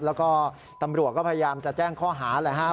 แล้วก็ตำรวจก็พยายามจะแจ้งข้อหาแหละครับ